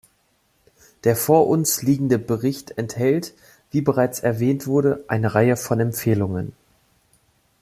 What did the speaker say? Der vor uns liegende Bericht enthält, wie bereits erwähnt wurde, eine Reihe von Empfehlungen.